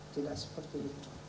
tidak seperti itu